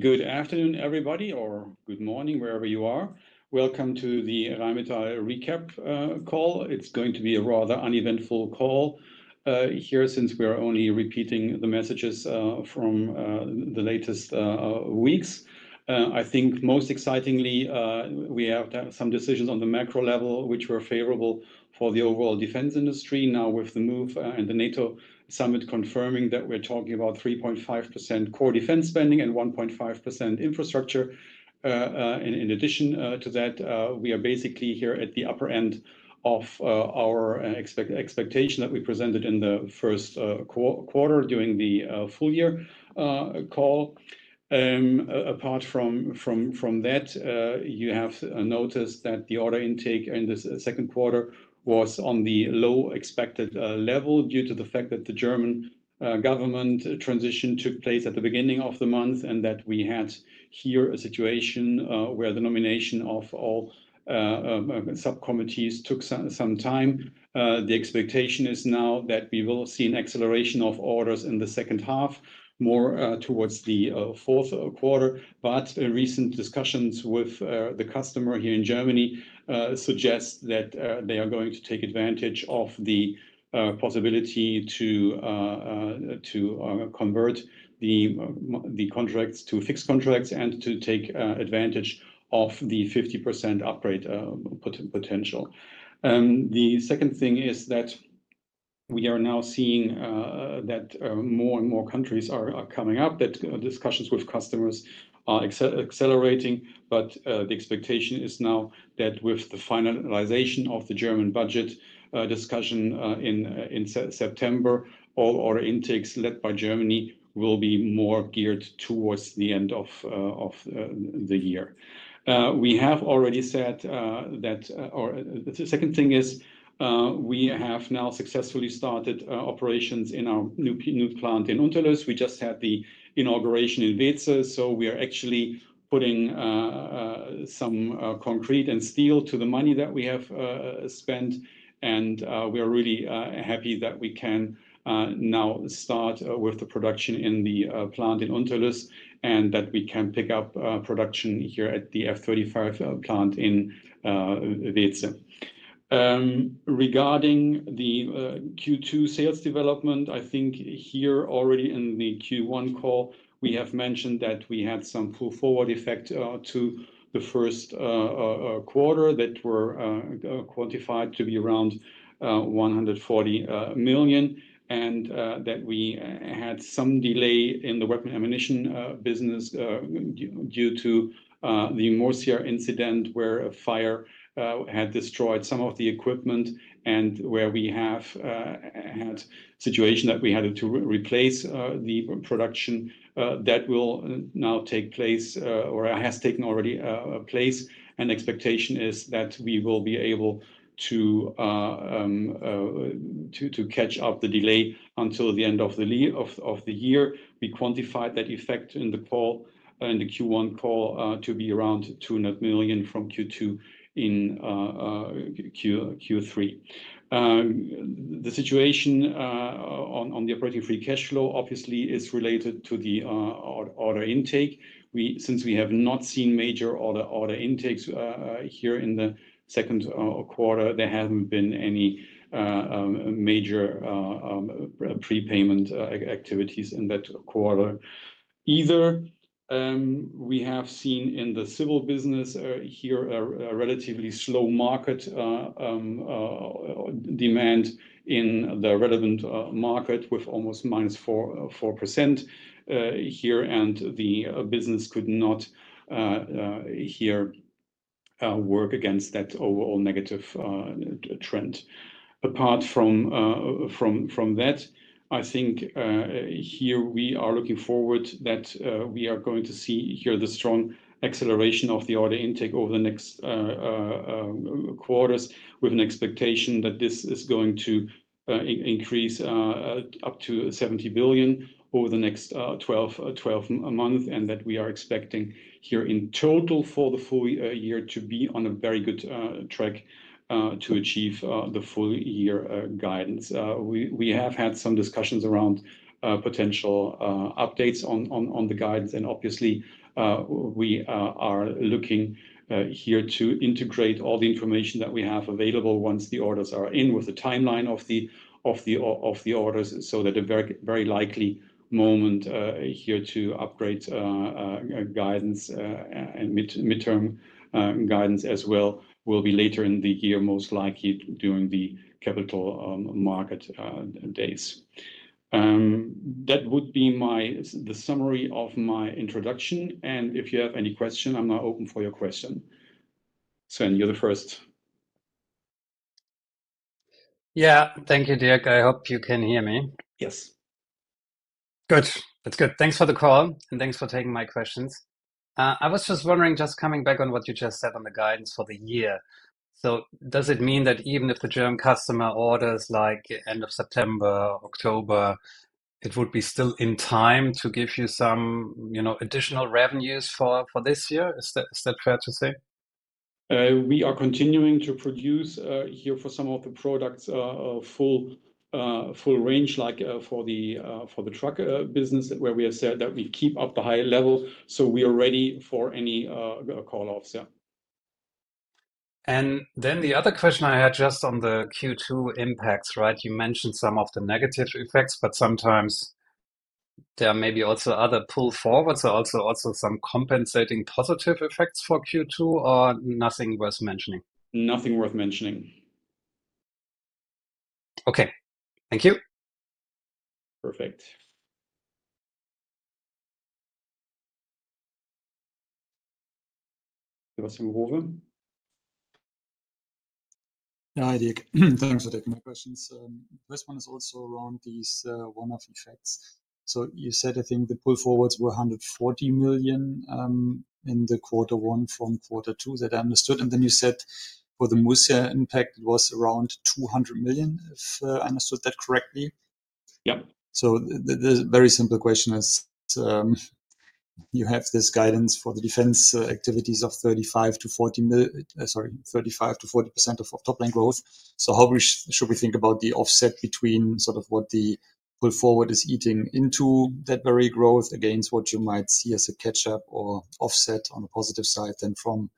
A good afternoon, everybody, or good morning, wherever you are. Welcome to the Rheinmetall Recap Call. It's going to be a rather uneventful call here since we are only repeating the messages from the latest weeks. I think most excitingly, we have some decisions on the macro level, which were favorable for the overall defense industry. Now, with the move and the NATO summit confirming that we're talking about 3.5% core defense spending and 1.5% infrastructure. In addition to that, we are basically here at the upper end of our expectation that we presented in the first quarter during the full year call. Apart from that, you have noticed that the order intake in this second quarter was on the low expected level due to the fact that the German government transition took place at the beginning of the month and that we had here a situation where the nomination of all subcommittees took some time. The expectation is now that we will see an acceleration of orders in the second half, more towards the fourth quarter. Recent discussions with the customer here in Germany suggest that they are going to take advantage of the possibility to convert the contracts to fixed contracts and to take advantage of the 50% upgrade potential. The second thing is that we are now seeing that more and more countries are coming up, that discussions with customers are accelerating. The expectation is now that with the finalization of the German budget discussion in September, all order intakes led by Germany will be more geared towards the end of the year. We have already said that the second thing is we have now successfully started operations in our new plant in Unterlüß. We just had the inauguration in Weeze. We are actually putting some concrete and steel to the money that we have spent. We are really happy that we can now start with the production in the plant in Unterlüß and that we can pick up production here at the F-35 plant in Weeze. Regarding the Q2 sales development, I think here already in the Q1 call, we have mentioned that we had some full forward effect to the first quarter that were quantified to be around 140 million and that we had some delay in the weapon ammunition business due to the Murcia incident where a fire had destroyed some of the equipment and where we had a situation that we had to replace the production that will now take place or has taken already place. The expectation is that we will be able to catch up the delay until the end of the year. We quantified that effect in the call, in the Q1 call, to be around 200 million from Q2 in Q3. The situation on the operating free cash flow obviously is related to the order intake. Since we have not seen major order intakes here in the second quarter, there haven't been any major prepayment activities in that quarter. Either we have seen in the civil business here a relatively slow market demand in the relevant market with almost -4% here, and the business could not here work against that overall negative trend. Apart from that, I think here we are looking forward that we are going to see here the strong acceleration of the order intake over the next quarters with an expectation that this is going to increase up to 70 billion over the next 12 months and that we are expecting here in total for the full year to be on a very good track to achieve the full year guidance. We have had some discussions around potential updates on the guidance, and obviously we are looking here to integrate all the information that we have available once the orders are in with the timeline of the orders so that a very likely moment here to upgrade guidance and midterm guidance as well will be later in the year, most likely during the capital market days. That would be the summary of my introduction. If you have any questions, I'm now open for your question. Sandy, you're the first. Yeah, thank you, Dirk. I hope you can hear me. Yes. Good. That's good. Thanks for the call and thanks for taking my questions. I was just wondering, just coming back on what you just said on the guidance for the year. Does it mean that even if the German customer orders like end of September, October, it would be still in time to give you some additional revenues for this year? Is that fair to say? We are continuing to produce here for some of the products full range, like for the truck business, where we have said that we keep up the high level. We are ready for any call-offs. Yeah. The other question I had just on the Q2 impacts, right? You mentioned some of the negative effects, but sometimes there are maybe also other pull forwards, also some compensating positive effects for Q2 or nothing worth mentioning? Nothing worth mentioning. Okay. Thank you. Perfect. There was some over. Hi, Dirk. Thanks, Dirk. My questions. This one is also around these one-off effects. You said, I think the pull forwards were 140 million in the quarter one from quarter two, that I understood. Then you said for the Murcia impact, it was around 200 million, if I understood that correctly. Yep. The very simple question is, you have this guidance for the defense activities of 35%-40% of top line growth. How should we think about the offset between sort of what the pull forward is eating into that very growth against what you might see as a catch-up or offset on the positive side then from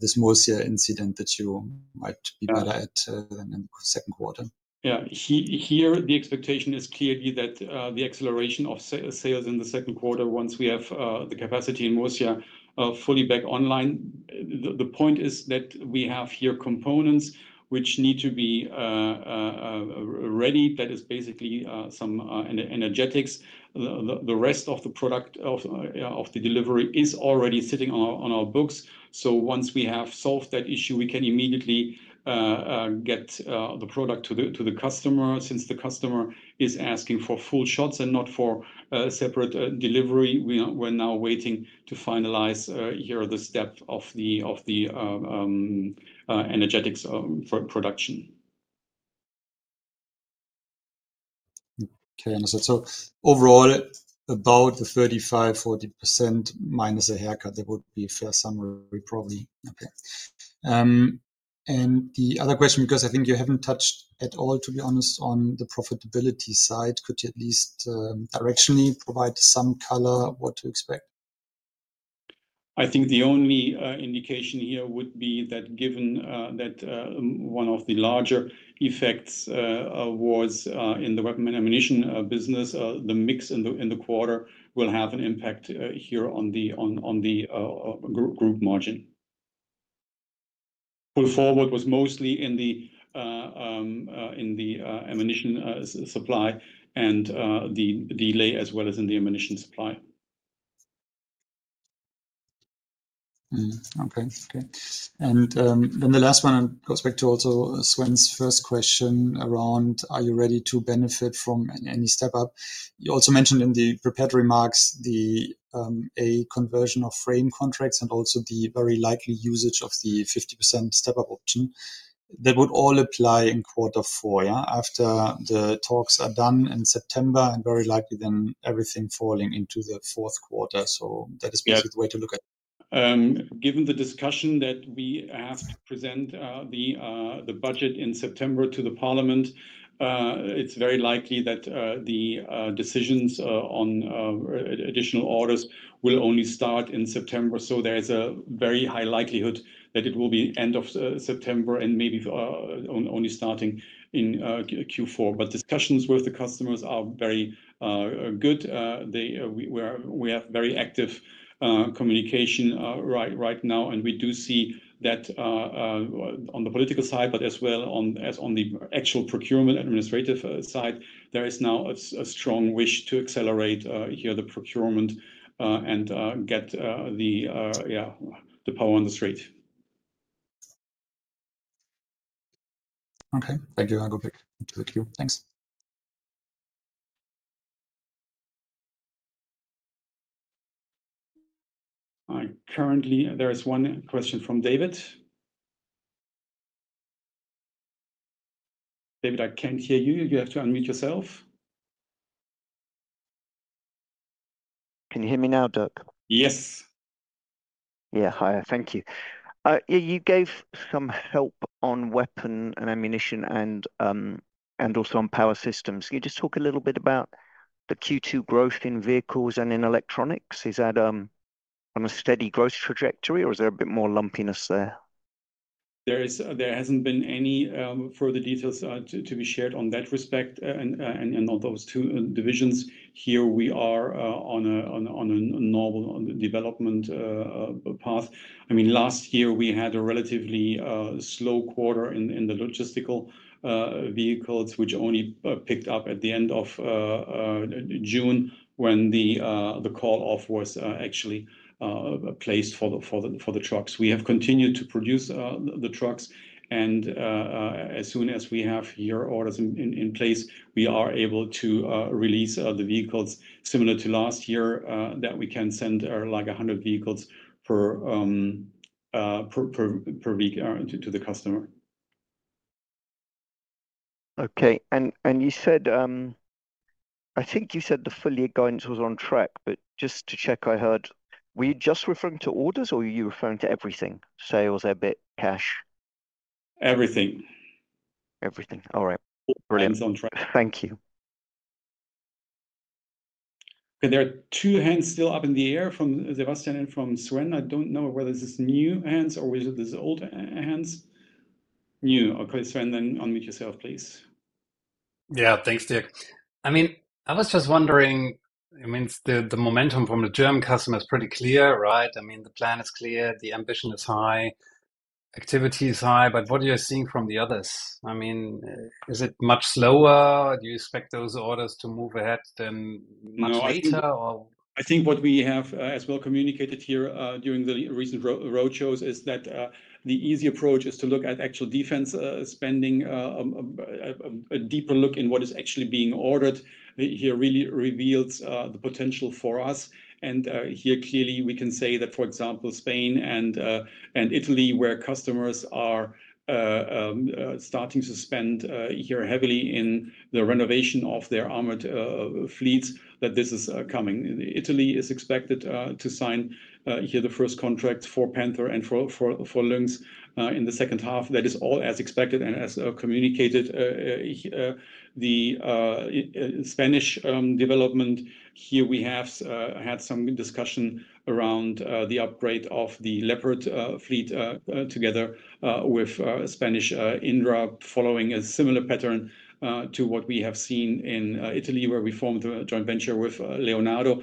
this Murcia incident that you might be better at in the second quarter? Yeah. Here the expectation is clearly that the acceleration of sales in the second quarter, once we have the capacity in Murcia fully back online. The point is that we have here components which need to be ready. That is basically some energetics. The rest of the product of the delivery is already sitting on our books. Once we have solved that issue, we can immediately get the product to the customer since the customer is asking for full shots and not for separate delivery. We're now waiting to finalize here the step of the energetics production. Okay. Overall, about the 35%-40% minus a haircut, that would be a fair summary, probably. Okay. The other question, because I think you have not touched at all, to be honest, on the profitability side, could you at least directionally provide some color what to expect? I think the only indication here would be that given that one of the larger effects was in the weapon ammunition business, the mix in the quarter will have an impact here on the group margin. Pull forward was mostly in the ammunition supply and the delay as well as in the ammunition supply. Okay. Okay. The last one goes back to also Sven's first question around, are you ready to benefit from any step-up? You also mentioned in the prepared remarks the conversion of frame contracts and also the very likely usage of the 50% step-up option. That would all apply in quarter four, yeah, after the talks are done in September and very likely then everything falling into the fourth quarter. That is basically the way to look at it. Given the discussion that we have to present the budget in September to the Parliament, it's very likely that the decisions on additional orders will only start in September. There is a very high likelihood that it will be end of September and maybe only starting in Q4. Discussions with the customers are very good. We have very active communication right now. We do see that on the political side, as well as on the actual procurement administrative side, there is now a strong wish to accelerate here the procurement and get the power on the street. Okay. Thank you. I'll go back to the queue. Thanks. Currently, there is one question from David. David, I can't hear you. You have to unmute yourself. Can you hear me now, Dirk? Yes. Yeah. Hi. Thank you. You gave some help on weapon and ammunition and also on power systems. Can you just talk a little bit about the Q2 growth in vehicles and in electronics? Is that on a steady growth trajectory or is there a bit more lumpiness there? There hasn't been any further details to be shared on that respect and on those two divisions. Here we are on a normal development path. I mean, last year we had a relatively slow quarter in the logistical vehicles, which only picked up at the end of June when the call-off was actually placed for the trucks. We have continued to produce the trucks. As soon as we have your orders in place, we are able to release the vehicles similar to last year that we can send like 100 vehicles per week to the customer. Okay. You said, I think you said the full year guidance was on track, but just to check, I heard, were you just referring to orders or were you referring to everything? Sales, EBIT, cash? Everything. Everything. All right. Brilliant. It's on track. Thank you. There are two hands still up in the air from Sebastian and from Sven. I don't know whether this is new hands or whether this is old hands. New. Okay, Sven, then unmute yourself, please. Yeah. Thanks, Dirk. I mean, I was just wondering, I mean, the momentum from the German customer is pretty clear, right? I mean, the plan is clear, the ambition is high, activity is high, but what are you seeing from the others? I mean, is it much slower? Do you expect those orders to move ahead then much later or? I think what we have as well communicated here during the recent roadshows is that the easy approach is to look at actual defense spending. A deeper look in what is actually being ordered here really reveals the potential for us. Here clearly we can say that, for example, Spain and Italy, where customers are starting to spend here heavily in the renovation of their armored fleets, that this is coming. Italy is expected to sign here the first contracts for Panther and for Lynx in the second half. That is all as expected and as communicated. The Spanish development here, we have had some discussion around the upgrade of the Leopard fleet together with Indra, following a similar pattern to what we have seen in Italy where we formed a joint venture with Leonardo.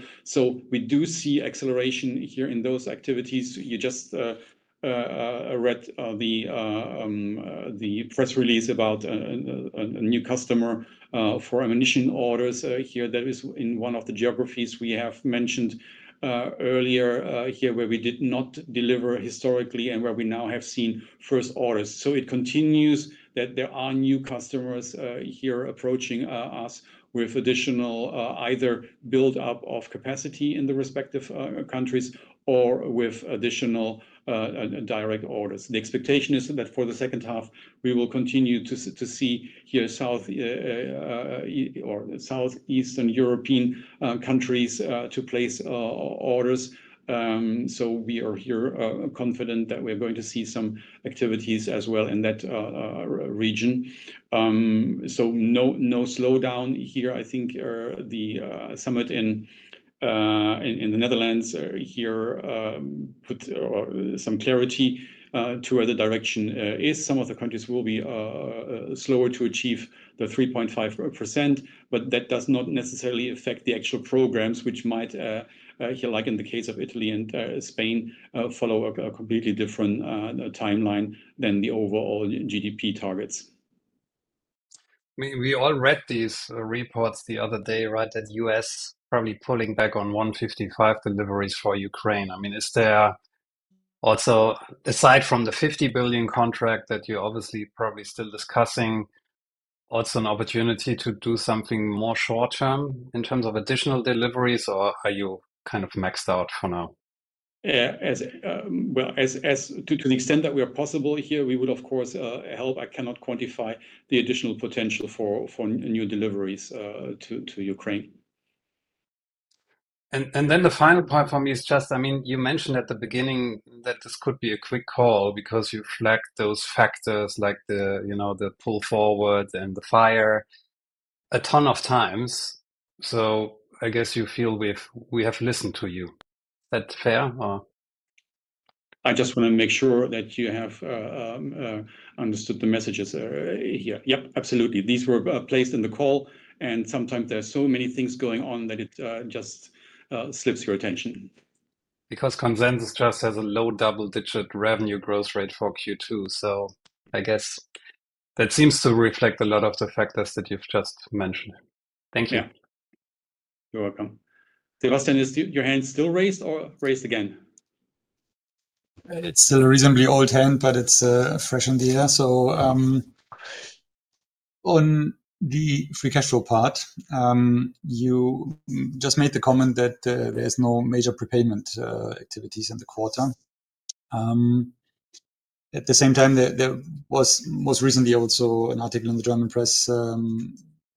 We do see acceleration here in those activities. You just read the press release about a new customer for ammunition orders here that is in one of the geographies we have mentioned earlier here where we did not deliver historically and where we now have seen first orders. It continues that there are new customers here approaching us with additional either build-up of capacity in the respective countries or with additional direct orders. The expectation is that for the second half, we will continue to see here South or Southeastern European countries to place orders. We are here confident that we are going to see some activities as well in that region. No slowdown here. I think the summit in the Netherlands here put some clarity to where the direction is. Some of the countries will be slower to achieve the 3.5%, but that does not necessarily affect the actual programs, which might, like in the case of Italy and Spain, follow a completely different timeline than the overall GDP targets. I mean, we all read these reports the other day, right, that US probably pulling back on 155 deliveries for Ukraine. I mean, is there also, aside from the $50 billion contract that you're obviously probably still discussing, also an opportunity to do something more short-term in terms of additional deliveries, or are you kind of maxed out for now? Yeah. To the extent that we are possible here, we would, of course, help. I cannot quantify the additional potential for new deliveries to Ukraine. The final part for me is just, I mean, you mentioned at the beginning that this could be a quick call because you flagged those factors like the pull forward and the fire a ton of times. I guess you feel we have listened to you. Is that fair? I just want to make sure that you have understood the messages here. Yep, absolutely. These were placed in the call. Sometimes there are so many things going on that it just slips your attention. Because consensus just has a low double-digit revenue growth rate for Q2. I guess that seems to reflect a lot of the factors that you've just mentioned. Thank you. You're welcome. Sebastian, is your hand still raised or raised again? It's still a reasonably old hand, but it's fresh in the air. On the free cash flow part, you just made the comment that there's no major prepayment activities in the quarter. At the same time, there was most recently also an article in the German press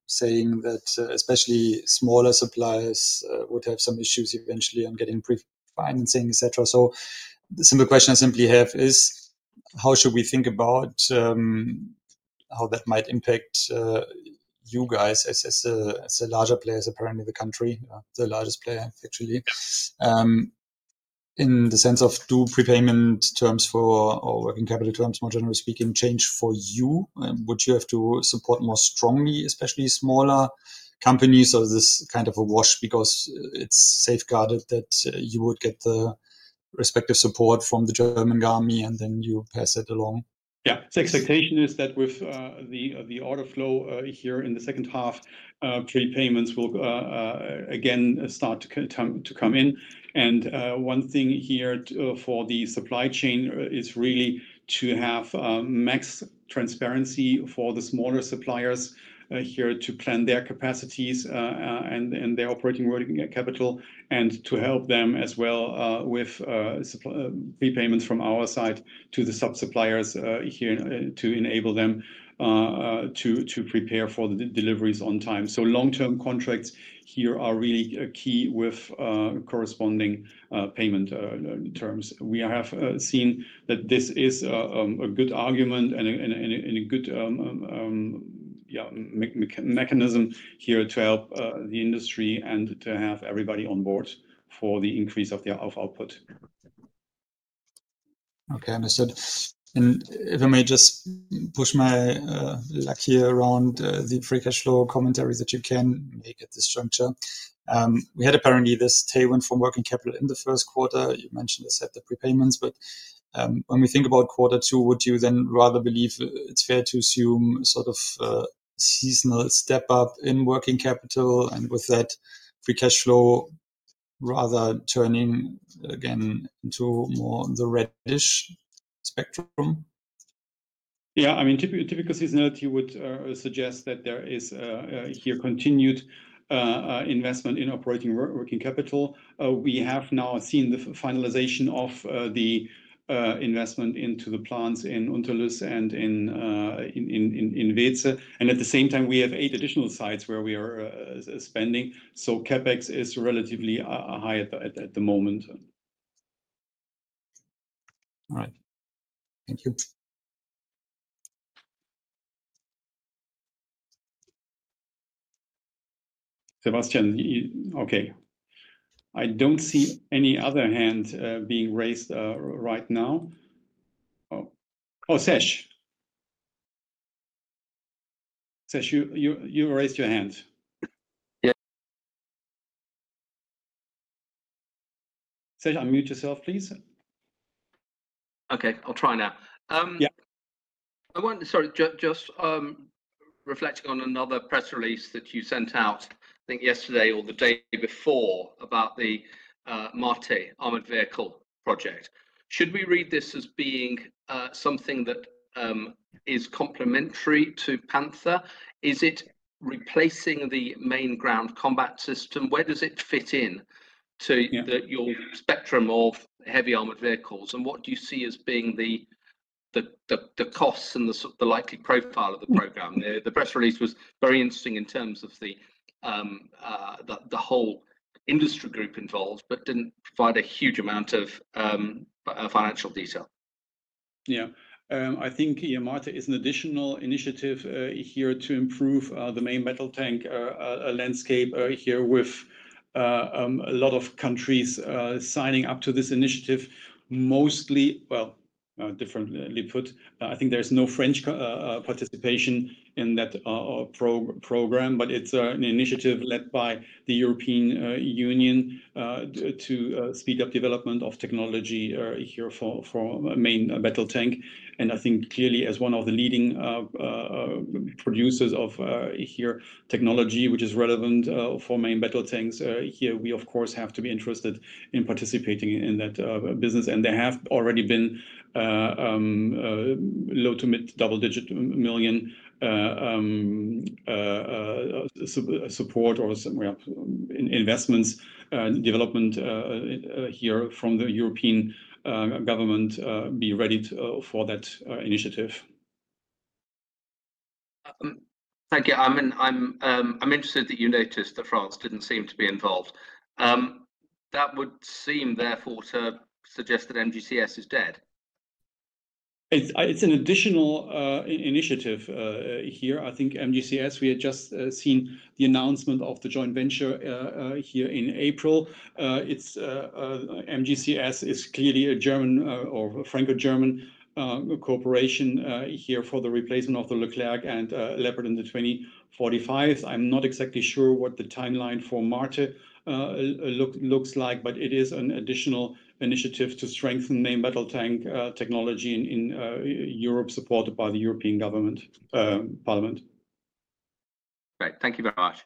saying that especially smaller suppliers would have some issues eventually on getting pre-financing, etc. The simple question I simply have is, how should we think about how that might impact you guys as a larger player, as apparently the country, the largest player actually, in the sense of do prepayment terms for working capital terms, more generally speaking, change for you? Would you have to support more strongly, especially smaller companies or is this kind of a wash because it's safeguarded that you would get the respective support from the German army and then you pass it along? Yeah. The expectation is that with the order flow here in the second half, prepayments will again start to come in. One thing here for the supply chain is really to have max transparency for the smaller suppliers here to plan their capacities and their operating working capital and to help them as well with prepayments from our side to the sub-suppliers here to enable them to prepare for the deliveries on time. Long-term contracts here are really key with corresponding payment terms. We have seen that this is a good argument and a good mechanism here to help the industry and to have everybody on board for the increase of output. Okay. Understood. If I may just push my luck here around the free cash flow commentary that you can make at this juncture. We had apparently this tailwind from working capital in the first quarter. You mentioned this at the prepayments, but when we think about quarter two, would you then rather believe it's fair to assume sort of seasonal step-up in working capital and with that free cash flow rather turning again into more the reddish spectrum? Yeah. I mean, typical seasonality would suggest that there is here continued investment in operating working capital. We have now seen the finalization of the investment into the plants in Unterlüß and in Weeze. At the same time, we have eight additional sites where we are spending. CapEx is relatively high at the moment. All right. Thank you. Sebastian, okay. I don't see any other hand being raised right now. Oh, Sash. Sash, you raised your hand. Yeah. Sash, unmute yourself, please. Okay. I'll try now. Sorry, just reflecting on another press release that you sent out, I think yesterday or the day before about the MARTE armored vehicle project. Should we read this as being something that is complementary to Panther? Is it replacing the main ground combat system? Where does it fit into your spectrum of heavy armored vehicles? And what do you see as being the costs and the likely profile of the program? The press release was very interesting in terms of the whole industry group involved, but didn't provide a huge amount of financial detail. Yeah. I think MARTE is an additional initiative here to improve the main battle tank landscape here with a lot of countries signing up to this initiative, mostly, well, differently put, I think there's no French participation in that program, but it's an initiative led by the European Union to speed up development of technology here for main battle tank. I think clearly as one of the leading producers of technology, which is relevant for main battle tanks here, we, of course, have to be interested in participating in that business. There have already been low- to mid-double-digit million support or investments development here from the European government be ready for that initiative. Thank you. I'm interested that you noticed that France didn't seem to be involved. That would seem therefore to suggest that MGCS is dead. It's an additional initiative here. I think MGCS, we had just seen the announcement of the joint venture here in April. MGCS is clearly a German or Franco-German corporation here for the replacement of the Leclerc and Leopard in the 2045s. I'm not exactly sure what the timeline for MARTE looks like, but it is an additional initiative to strengthen main battle tank technology in Europe supported by the European government parliament. Great. Thank you very much.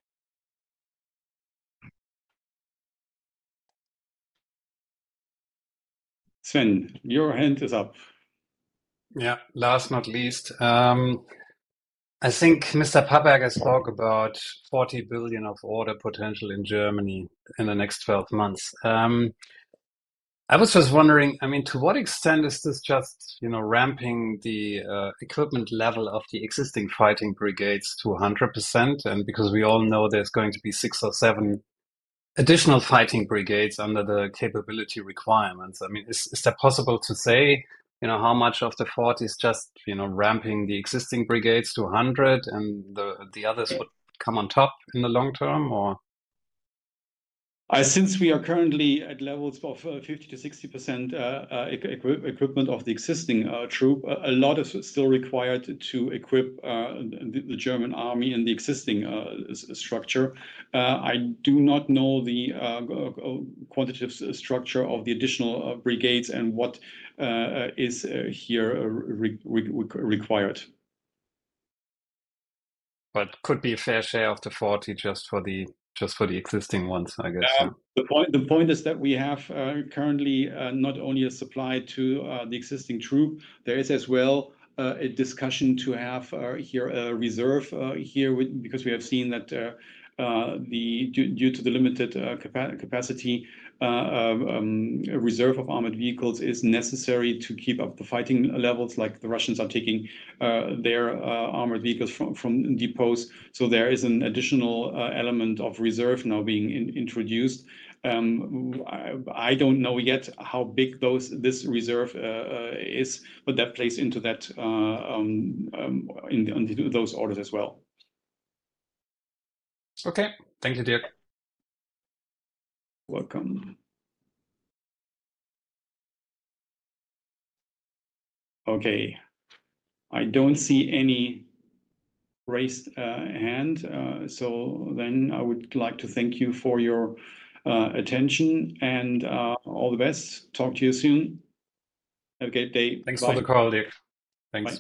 Sven, your hand is up. Yeah. Last but not least, I think Mr. Papperger spoke about 40 billion of order potential in Germany in the next 12 months. I was just wondering, I mean, to what extent is this just ramping the equipment level of the existing fighting brigades to 100%? I mean, because we all know there's going to be six or seven additional fighting brigades under the capability requirements, is that possible to say how much of the EUR 40 billion is just ramping the existing brigades to 100% and the others would come on top in the long term or? Since we are currently at levels of 50%-60% equipment of the existing troop, a lot is still required to equip the German army in the existing structure. I do not know the quantitative structure of the additional brigades and what is here required. Could be a fair share of the 40% just for the existing ones, I guess. The point is that we have currently not only a supply to the existing troop. There is as well a discussion to have here a reserve here because we have seen that due to the limited capacity, a reserve of armored vehicles is necessary to keep up the fighting levels like the Russians are taking their armored vehicles from depots. There is an additional element of reserve now being introduced. I do not know yet how big this reserve is, but that plays into those orders as well. Okay. Thank you, Dirk. You're welcome. Okay. I don't see any raised hand. I would like to thank you for your attention and all the best. Talk to you soon. Have a great day. Thanks for the call, Dirk. Thanks.